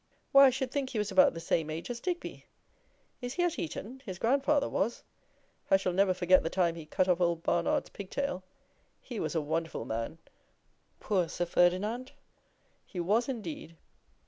Why, I should think he was about the same age as Digby? Is he at Eton? His grandfather was. I shall never forget the time he cut off old Barnard's pig tail. He was a wonderful man, poor Sir Ferdinand! he was indeed.